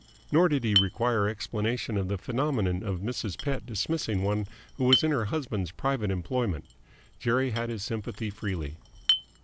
Nor did he require explanation of the phenomenon of Mrs. Pett dismissing one who was in her husband's private employment. Jerry had his sympathy freely.